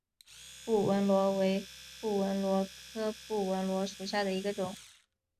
布纹螺为布纹螺科布纹螺属下的一个种。